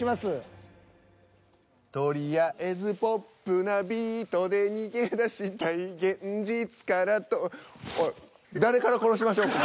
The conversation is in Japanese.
とりあえずポップなビートで逃げ出したい現実から遠おい誰から殺しましょうか？